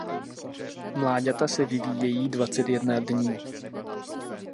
Mláďata se vyvíjejí dvacet jedna dní.